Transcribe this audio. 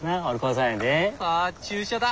さあ注射だ。